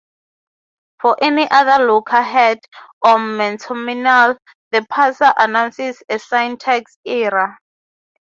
For any other lookahead or nonterminal, the parser announces a syntax error.